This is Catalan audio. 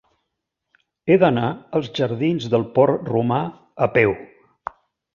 He d'anar als jardins del Port Romà a peu.